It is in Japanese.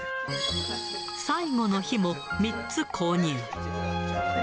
最後の日も、３つ購入。